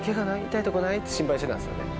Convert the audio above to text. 痛い所はない？って、心配してたんですよね。